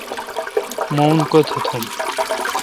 مہ ان کوتھ تھم۔